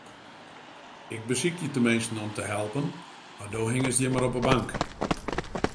Ik besykje teminsten om te helpen, mar do hingest hjir mar op 'e bank.